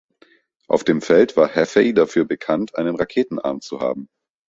Auf dem Feld war Hafey bekannt dafür, einen „Raketenarm“ zu haben.